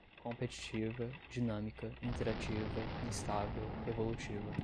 competitiva, dinâmica, interativa, instável, evolutiva